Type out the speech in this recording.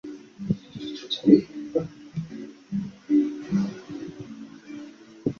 索伦森是位于美国加利福尼亚州阿拉米达县的一个非建制地区。